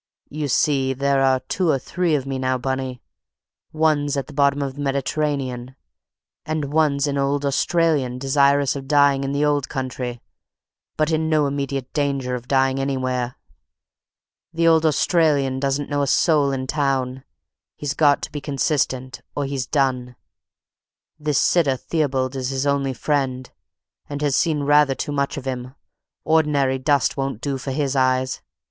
"You see, there are two or three of me now, Bunny: one's at the bottom of the Mediterranean, and one's an old Australian desirous of dying in the old country, but in no immediate danger of dying anywhere. The old Australian doesn't know a soul in town; he's got to be consistent, or he's done. This sitter Theobald is his only friend, and has seen rather too much of him; ordinary dust won't do for his eyes.